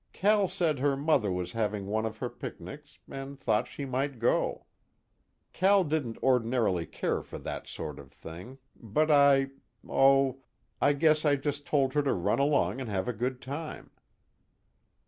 Cal said her mother was having one of her picnics, and thought she might go. Cal didn't ordinarily care for that sort of thing, but I oh, I guess I just told her to run along and have a good time."